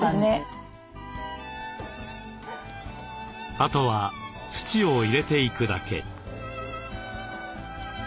あとは土を入れていくだけ。